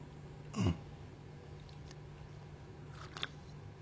うん。